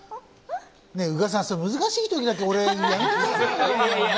宇賀さん、難しい時だけ俺にやめてくださいよ。